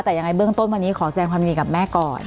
แต่ยังไงเบื้องต้นวันนี้ขอแสดงความดีกับแม่ก่อน